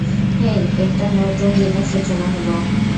হেই, একটা নতুন দিনের সূচনা হলো।